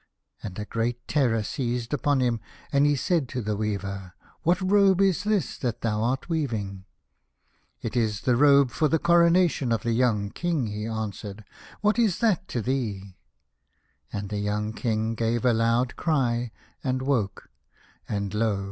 And a great terror seized upon him, and he said to the weaver, " What robe is this that thou art weaving ?"" It is the robe for the coronation of the young King," he answered ; "what is that to thee ?" And the young King gave a loud cry and woke, and lo